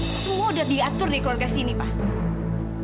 semua sudah diatur di keluarga sini pak